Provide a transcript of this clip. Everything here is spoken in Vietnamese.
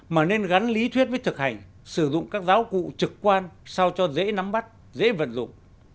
mà nên gắn lý thuyết với thực hành sử dụng các giáo cụ trực quan sao cho dễ nắm bắt dễ vận dụng